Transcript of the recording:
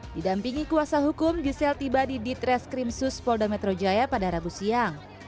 didampingi kuasa hukum gisela tiba di ditres krimsus polda metro jaya pada rabu siang